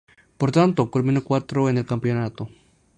Por tanto, culminó cuarto en el campeonato.